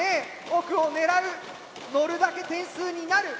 奥を狙うのるだけ点数になる。